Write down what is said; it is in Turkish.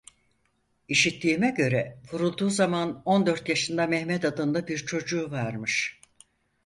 İşittiğime göre vurulduğu zaman on dört yaşında Mehmet adında bir çocuğu varmış.